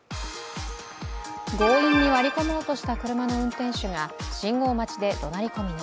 強引に割り込もうとした車の運転手が信号待ちで怒鳴り込みに。